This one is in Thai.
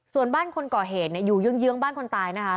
ส่วนบ้านคนก่อเหตุเนี่ยอยู่เยื้องบ้านคนตายนะคะ